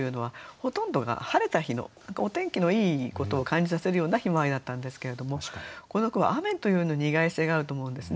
ほとんどが晴れた日のお天気のいいことを感じさせるような向日葵だったんですけれどもこの句は雨というのに意外性があると思うんですね。